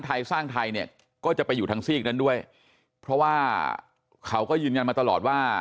ไทยสร้างไทยเนี่ยก็จะไปอยู่ทางซีกนั้นด้วยเพราะว่าเขาก็ยืนยันมาตลอดว่า